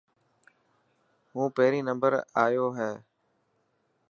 هون پهريون نمبر آيو هي.